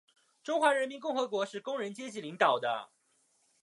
中华人民共和国是工人阶级领导的